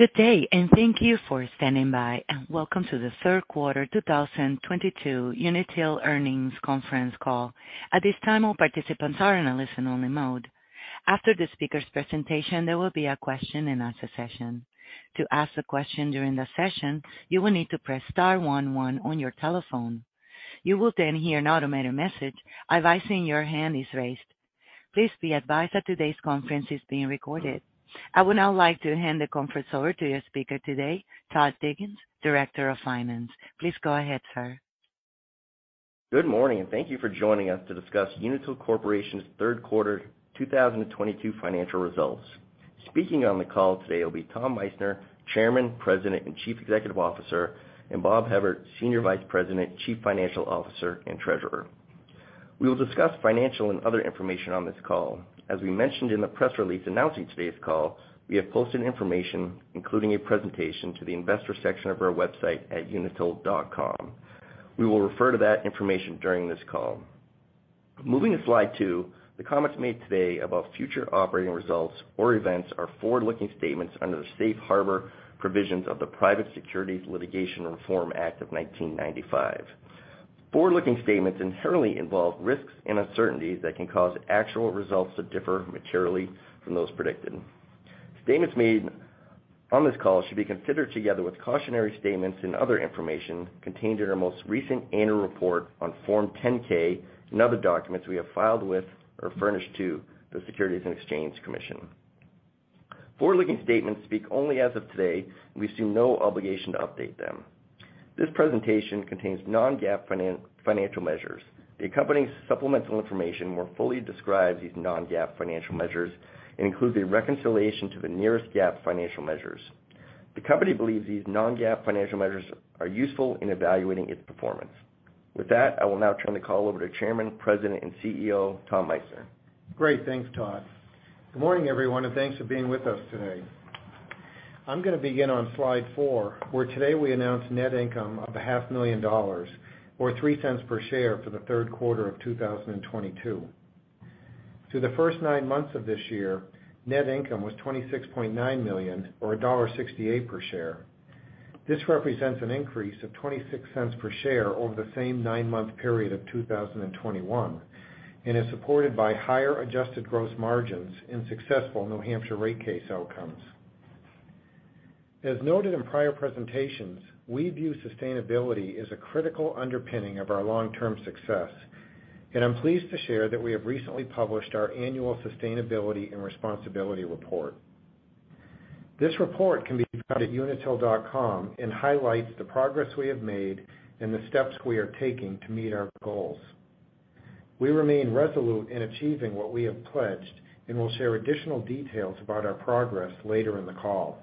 Good day, and thank you for standing by, and welcome to the third quarter 2022 Unitil earnings conference call. At this time, all participants are in a listen-only mode. After the speaker's presentation, there will be a question-and-answer session. To ask a question during the session, you will need to press star one one on your telephone. You will then hear an automated message advising your hand is raised. Please be advised that today's conference is being recorded. I would now like to hand the conference over to your speaker today, Todd Diggins, Director of Finance. Please go ahead, sir. Good morning, and thank you for joining us to discuss Unitil Corporation's third quarter 2022 financial results. Speaking on the call today will be Tom Meissner, Chairman, President, and Chief Executive Officer, and Robert Hevert, Senior Vice President, Chief Financial Officer, and Treasurer. We will discuss financial and other information on this call. As we mentioned in the press release announcing today's call, we have posted information, including a presentation, to the investor section of our website at unitil.com. We will refer to that information during this call. Moving to slide two, the comments made today about future operating results or events are forward-looking statements under the safe harbor provisions of the Private Securities Litigation Reform Act of 1995. Forward-looking statements inherently involve risks and uncertainties that can cause actual results to differ materially from those predicted. Statements made on this call should be considered together with cautionary statements and other information contained in our most recent annual report on Form 10-K and other documents we have filed with or furnished to the Securities and Exchange Commission. Forward-looking statements speak only as of today, and we assume no obligation to update them. This presentation contains non-GAAP financial measures. The accompanying supplemental information more fully describes these non-GAAP financial measures and includes a reconciliation to the nearest GAAP financial measures. The company believes these non-GAAP financial measures are useful in evaluating its performance. With that, I will now turn the call over to Chairman, President, and CEO, Tom Meissner. Great. Thanks, Todd. Good morning, everyone, and thanks for being with us today. I'm gonna begin on slide four, where today we announce net income of a half million dollars or $0.03 per share for the third quarter of 2022. Through the first nine months of this year, net income was $26.9 million or $1.68 per share. This represents an increase of $0.26 per share over the same nine-month period of 2021 and is supported by higher Adjusted Gross Margin in successful New Hampshire rate case outcomes. As noted in prior presentations, we view sustainability as a critical underpinning of our long-term success, and I'm pleased to share that we have recently published our annual Sustainability and Responsibility Report. This report can be found at unitil.com and highlights the progress we have made and the steps we are taking to meet our goals. We remain resolute in achieving what we have pledged and will share additional details about our progress later in the call.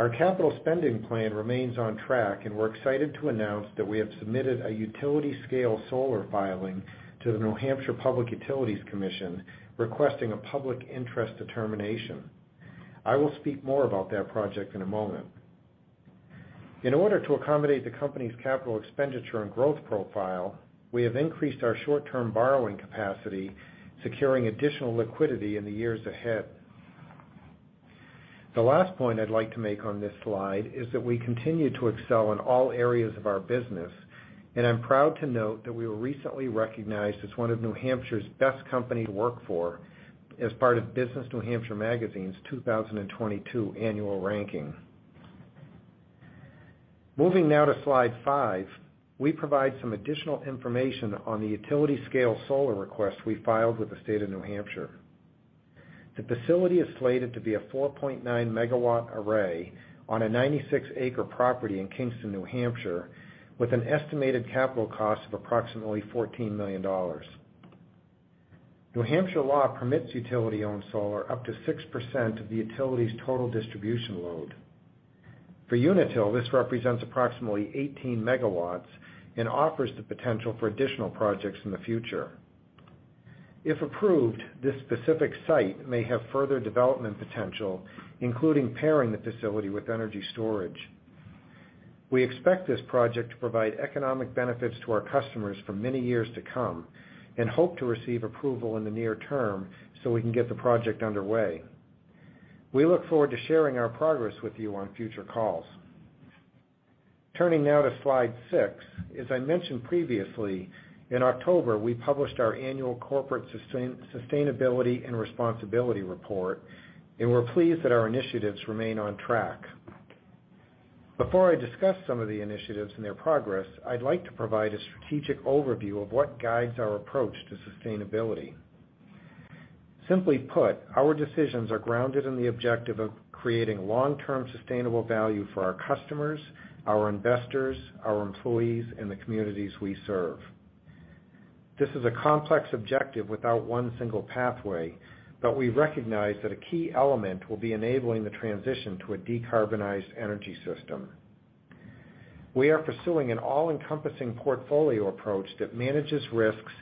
Our capital spending plan remains on track, and we're excited to announce that we have submitted a utility scale solar filing to the New Hampshire Public Utilities Commission, requesting a public interest determination. I will speak more about that project in a moment. In order to accommodate the company's capital expenditure and growth profile, we have increased our short-term borrowing capacity, securing additional liquidity in the years ahead. The last point I'd like to make on this slide is that we continue to excel in all areas of our business, and I'm proud to note that we were recently recognized as one of New Hampshire's Best Companies to Work For as part of Business NH Magazine's 2022 annual ranking. Moving now to slide five, we provide some additional information on the utility scale solar request we filed with the state of New Hampshire. The facility is slated to be a 4.9-MW array on a 96-acre property in Kingston, New Hampshire, with an estimated capital cost of approximately $14 million. New Hampshire law permits utility-owned solar up to 6% of the utility's total distribution load. For Unitil, this represents approximately 18 MW and offers the potential for additional projects in the future. If approved, this specific site may have further development potential, including pairing the facility with energy storage. We expect this project to provide economic benefits to our customers for many years to come and hope to receive approval in the near term so we can get the project underway. We look forward to sharing our progress with you on future calls. Turning now to slide six. As I mentioned previously, in October, we published our annual Corporate Sustainability and Responsibility Report, and we're pleased that our initiatives remain on track. Before I discuss some of the initiatives and their progress, I'd like to provide a strategic overview of what guides our approach to sustainability. Simply put, our decisions are grounded in the objective of creating long-term sustainable value for our customers, our investors, our employees, and the communities we serve. This is a complex objective without one single pathway, but we recognize that a key element will be enabling the transition to a decarbonized energy system. We are pursuing an all-encompassing portfolio approach that manages risks,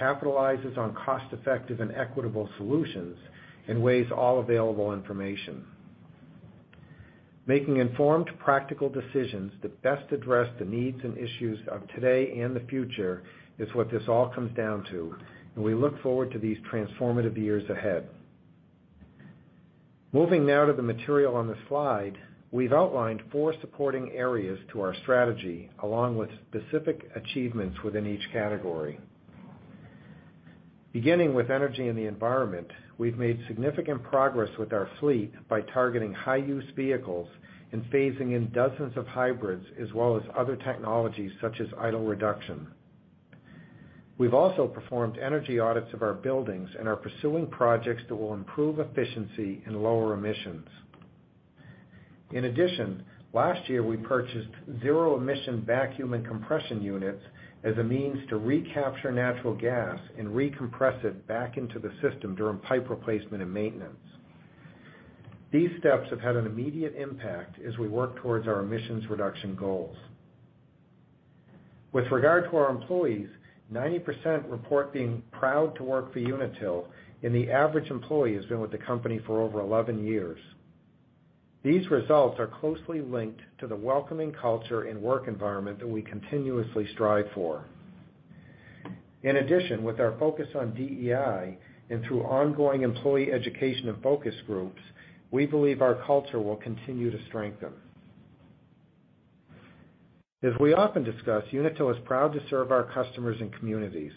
capitalizes on cost-effective and equitable solutions, and weighs all available information. Making informed, practical decisions that best address the needs and issues of today and the future is what this all comes down to, and we look forward to these transformative years ahead. Moving now to the material on the slide, we've outlined four supporting areas to our strategy, along with specific achievements within each category. Beginning with energy and the environment, we've made significant progress with our fleet by targeting high use vehicles and phasing in dozens of hybrids as well as other technologies such as idle reduction. We've also performed energy audits of our buildings and are pursuing projects that will improve efficiency and lower emissions. In addition, last year, we purchased zero-emission vacuum and compression units as a means to recapture natural gas and recompress it back into the system during pipe replacement and maintenance. These steps have had an immediate impact as we work towards our emissions reduction goals. With regard to our employees, 90% report being proud to work for Unitil, and the average employee has been with the company for over 11 years. These results are closely linked to the welcoming culture and work environment that we continuously strive for. In addition, with our focus on DEI and through ongoing employee education and focus groups, we believe our culture will continue to strengthen. As we often discuss, Unitil is proud to serve our customers and communities.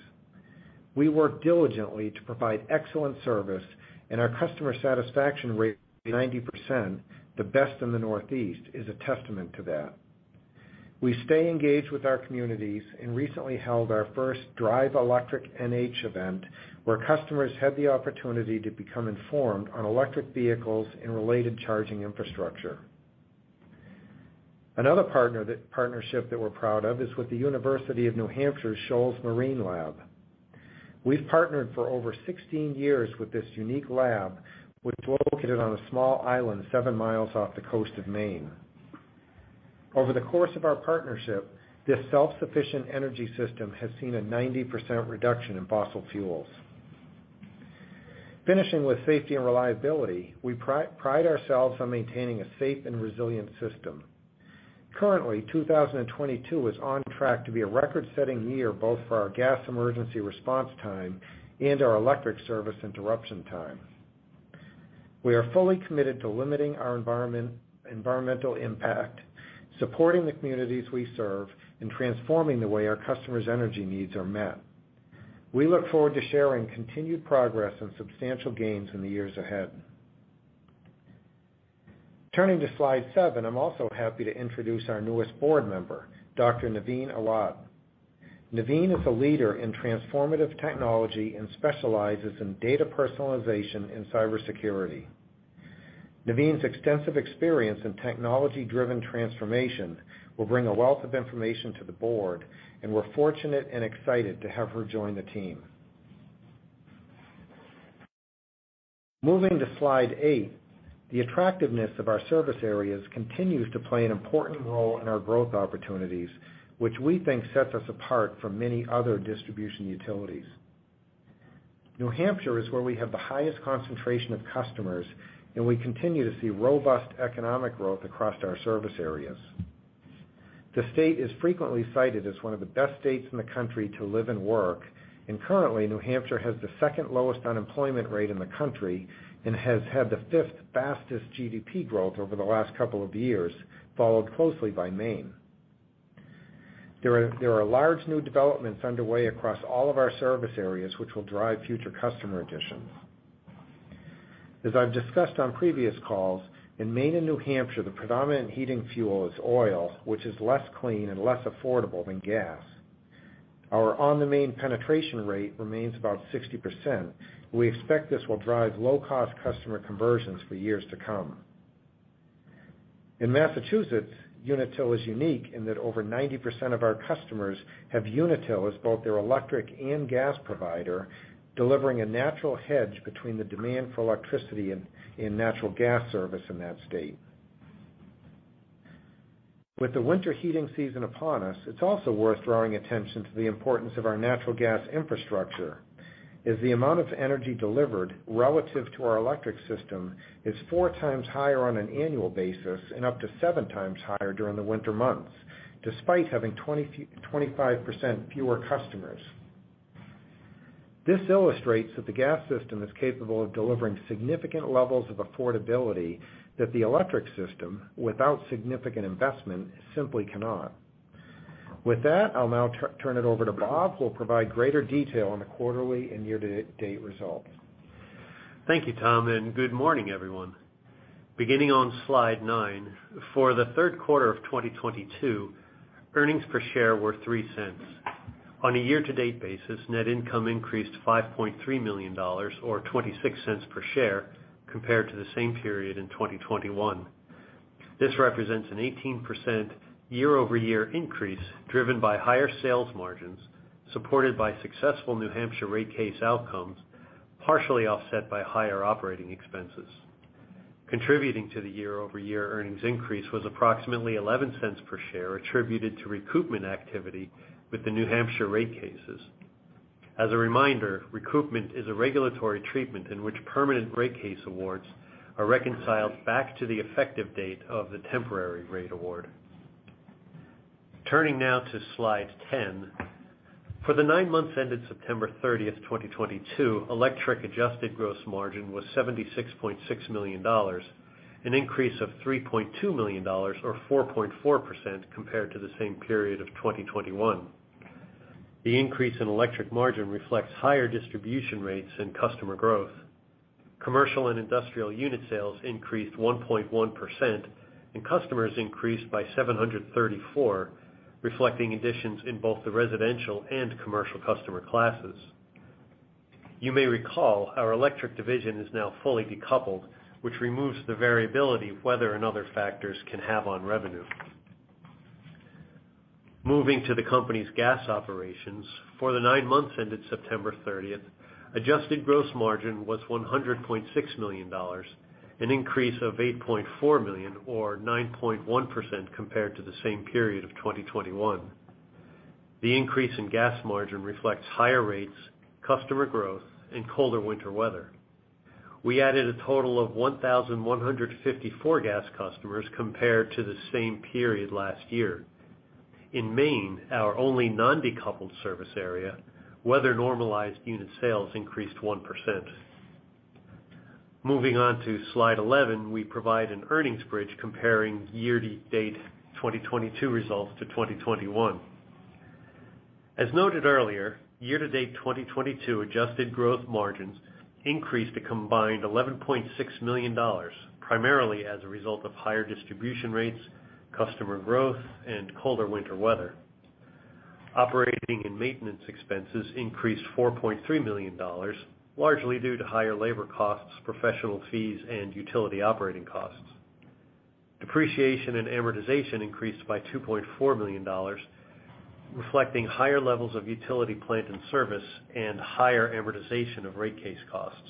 We work diligently to provide excellent service, and our customer satisfaction rate, 90%, the best in the Northeast, is a testament to that. We stay engaged with our communities and recently held our first Drive Electric NH event, where customers had the opportunity to become informed on electric vehicles and related charging infrastructure. Another partnership that we're proud of is with the University of New Hampshire Shoals Marine Laboratory. We've partnered for over 16 years with this unique lab, which is located on a small island 7 mi off the coast of Maine. Over the course of our partnership, this self-sufficient energy system has seen a 90% reduction in fossil fuels. Finishing with safety and reliability, we pride ourselves on maintaining a safe and resilient system. Currently, 2022 is on track to be a record-setting year, both for our gas emergency response time and our electric service interruption time. We are fully committed to limiting our environmental impact, supporting the communities we serve, and transforming the way our customers' energy needs are met. We look forward to sharing continued progress and substantial gains in the years ahead. Turning to slide seven, I'm also happy to introduce our newest board member, Dr. Neveen Awad. Neveen is a leader in transformative technology and specializes in data personalization and cybersecurity. Neveen's extensive experience in technology-driven transformation will bring a wealth of information to the board, and we're fortunate and excited to have her join the team. Moving to slide eight, the attractiveness of our service areas continues to play an important role in our growth opportunities, which we think sets us apart from many other distribution utilities. New Hampshire is where we have the highest concentration of customers, and we continue to see robust economic growth across our service areas. The state is frequently cited as one of the best states in the country to live and work, and currently, New Hampshire has the second lowest unemployment rate in the country and has had the fifth fastest GDP growth over the last couple of years, followed closely by Maine. There are large new developments underway across all of our service areas, which will drive future customer additions. As I've discussed on previous calls, in Maine and New Hampshire, the predominant heating fuel is oil, which is less clean and less affordable than gas. Our on-the-main penetration rate remains about 60%. We expect this will drive low-cost customer conversions for years to come. In Massachusetts, Unitil is unique in that over 90% of our customers have Unitil as both their electric and gas provider, delivering a natural hedge between the demand for electricity and natural gas service in that state. With the winter heating season upon us, it's also worth drawing attention to the importance of our natural gas infrastructure, as the amount of energy delivered relative to our electric system is four times higher on an annual basis and up to seven times higher during the winter months, despite having 25% fewer customers. This illustrates that the gas system is capable of delivering significant levels of affordability that the electric system, without significant investment, simply cannot. With that, I'll now turn it over to Bob, who will provide greater detail on the quarterly and year-to-date results. Thank you, Tom, and good morning, everyone. Beginning on slide nine, for the third quarter of 2022, earnings per share were $0.03. On a year-to-date basis, net income increased $5.3 million or $0.26 per share compared to the same period in 2021. This represents an 18% year-over-year increase driven by higher sales margins, supported by successful New Hampshire rate case outcomes, partially offset by higher operating expenses. Contributing to the year-over-year earnings increase was approximately $0.11 per share attributed to recoupment activity with the New Hampshire rate cases. As a reminder, recoupment is a regulatory treatment in which permanent rate case awards are reconciled back to the effective date of the temporary rate award. Turning now to slide 10. For the nine months ended September 30th, 2022, electric Adjusted Gross Margin was $76.6 million, an increase of $3.2 million or 4.4% compared to the same period of 2021. The increase in electric margin reflects higher distribution rates and customer growth. Commercial and industrial unit sales increased 1.1%, and customers increased by 734, reflecting additions in both the residential and commercial customer classes. You may recall our electric division is now fully decoupled, which removes the variability that weather and other factors can have on revenue. Moving to the company's gas operations. For the nine months ended September 30th, Adjusted Gross Margin was $100.6 million, an increase of $8.4 million or 9.1% compared to the same period of 2021. The increase in gas margin reflects higher rates, customer growth, and colder winter weather. We added a total of 1,154 gas customers compared to the same period last year. In Maine, our only non-decoupled service area, weather-normalized unit sales increased 1%. Moving on to slide 11, we provide an earnings bridge comparing year-to-date 2022 results to 2021. As noted earlier, year-to-date 2022 adjusted gross margins increased a combined $11.6 million, primarily as a result of higher distribution rates, customer growth, and colder winter weather. Operating and maintenance expenses increased $4.3 million, largely due to higher labor costs, professional fees, and utility operating costs. Depreciation and amortization increased by $2.4 million, reflecting higher levels of utility plant in service and higher amortization of rate case costs.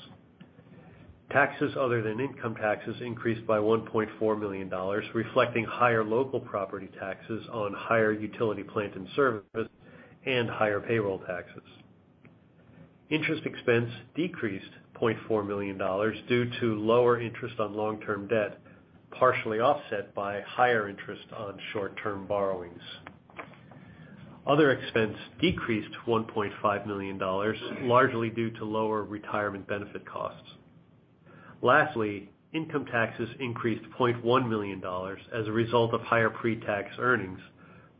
Taxes other than income taxes increased by $1.4 million, reflecting higher local property taxes on higher utility plant and service and higher payroll taxes. Interest expense decreased $0.4 million due to lower interest on long-term debt, partially offset by higher interest on short-term borrowings. Other expense decreased $1.5 million, largely due to lower retirement benefit costs. Lastly, income taxes increased $0.1 million as a result of higher pre-tax earnings,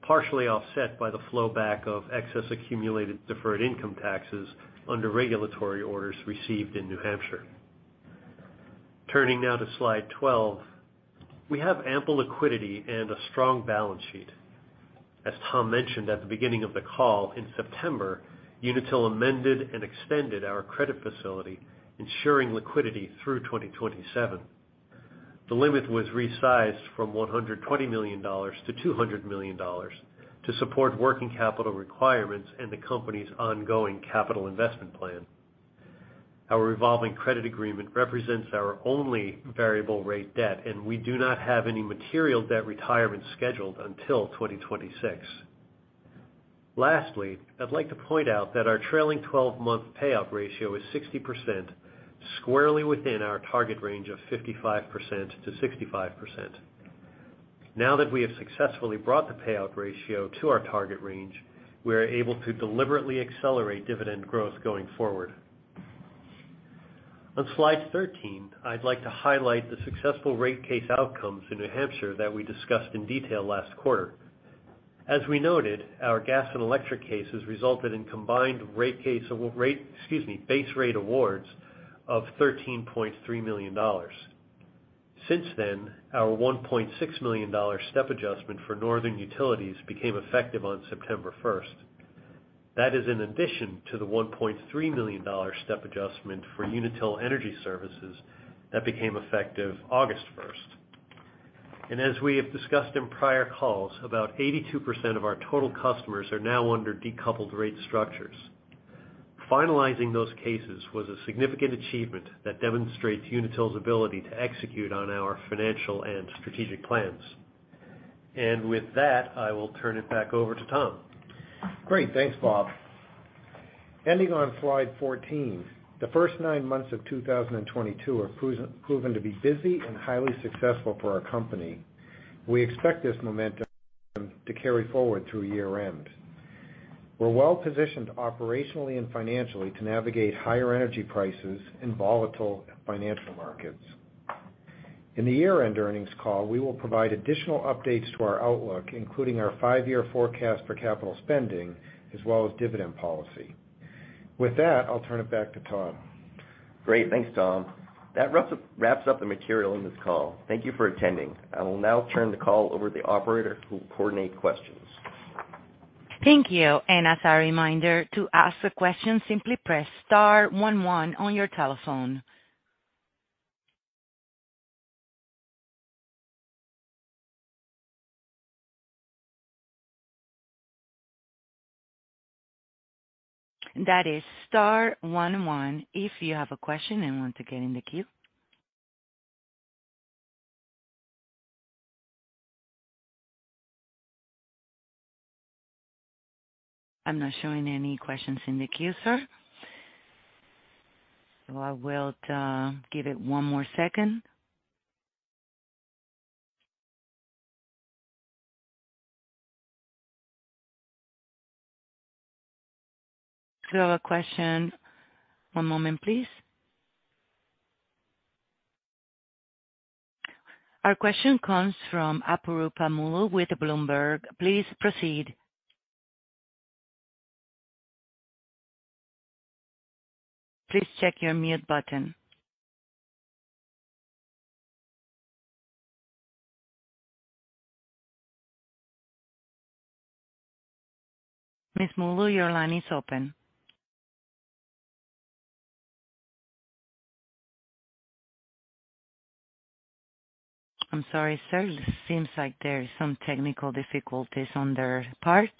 partially offset by the flowback of excess accumulated deferred income taxes under regulatory orders received in New Hampshire. Turning now to slide 12. We have ample liquidity and a strong balance sheet. As Tom mentioned at the beginning of the call, in September, Unitil amended and extended our credit facility, ensuring liquidity through 2027. The limit was resized from $120 million-$200 million to support working capital requirements and the company's ongoing capital investment plan. Our revolving credit agreement represents our only variable rate debt, and we do not have any material debt retirement scheduled until 2026. Lastly, I'd like to point out that our trailing-12-month payout ratio is 60%, squarely within our target range of 55%-65%. Now that we have successfully brought the payout ratio to our target range, we are able to deliberately accelerate dividend growth going forward. On slide 13, I'd like to highlight the successful rate case outcomes in New Hampshire that we discussed in detail last quarter. As we noted, our gas and electric cases resulted in combined excuse me, base rate awards of $13.3 million. Since then, our $1.6 million step adjustment for Northern Utilities became effective on September 1st. That is in addition to the $1.3 million step adjustment for Unitil Energy Services that became effective August 1st. As we have discussed in prior calls, about 82% of our total customers are now under decoupled rate structures. Finalizing those cases was a significant achievement that demonstrates Unitil's ability to execute on our financial and strategic plans. With that, I will turn it back over to Tom. Great. Thanks, Bob. Ending on slide 14, the first nine months of 2022 have proven to be busy and highly successful for our company. We expect this momentum to carry forward through year-end. We're well-positioned operationally and financially to navigate higher energy prices and volatile financial markets. In the year-end earnings call, we will provide additional updates to our outlook, including our five-year forecast for capital spending as well as dividend policy. With that, I'll turn it back to Todd. Great. Thanks, Tom. That wraps up the material in this call. Thank you for attending. I will now turn the call over to the operator who will coordinate questions. Thank you. As a reminder, to ask a question simply press star one one on your telephone. That is star one one if you have a question and want to get in the queue. I'm not showing any questions in the queue, sir. I will give it one more second. A question. One moment, please. Our question comes from Apurupa Mull with Bloomberg. Please proceed. Please check your mute button. Ms. Mull, your line is open. I'm sorry, sir. It seems like there is some technical difficulties on their part.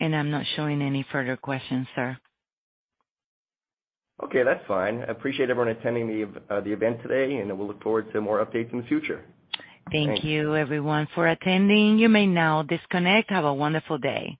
I'm not showing any further questions, sir. Okay, that's fine. I appreciate everyone attending the event today, and we'll look forward to more updates in the future. Thank you everyone for attending. You may now disconnect. Have a wonderful day.